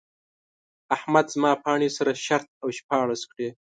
احمد زما پاڼې سره شرت او شپاړس کړې.